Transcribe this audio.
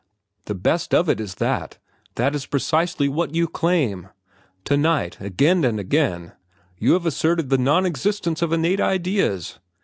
The best of it is that that is precisely what you claim. To night, again and again, you have asserted the non existence of innate ideas.